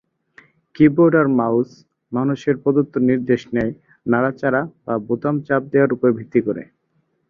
Keyboard আর mouse মানুষের প্রদত্ত নির্দেশ নেয় নাড়াচাড়া বা বোতাম চাপ দেয়ার উপর ভিত্তি করে।